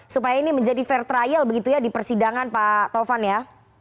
supaya ini menjadi fair trial begitu ya di persidangan pak taufan ya